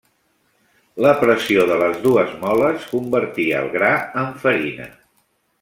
La pressió de les dues moles convertia el gran en farina.